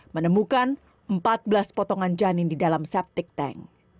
menemukan empat belas potongan janin di dalam septic tank